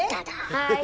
はい。